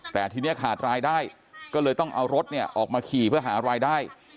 แต่ทีนี้ขาดรายได้ก็เลยต้องเอารถเนี่ยออกมาขี่เพื่อหารายได้